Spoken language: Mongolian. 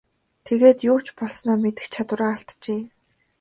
Тэгээд юу ч болсноо мэдэх чадвараа алджээ.